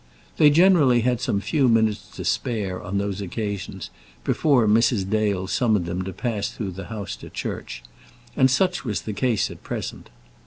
They generally had some few minutes to spare on those occasions before Mrs. Dale summoned them to pass through the house to church, and such was the case at present.